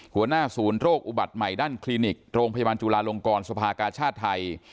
หัวหน้าศูนย์โรคอุบัติใหม่ด้านคลินิกโรงพยาบาลจุลาลงกรสภากาชาติไทย